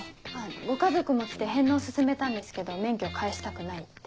ご家族も来て返納を勧めたんですけど免許返したくないって。